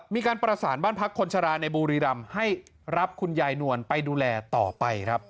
มีการประสานบ้านพักคนชะลาในบุรีรำให้รับคุณยายนวลไปดูแลต่อไปครับ